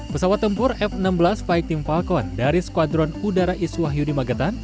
pesawat tempur f enam belas fighting falcon dari skuadron udara iswah yudi magetan